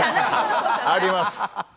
あります！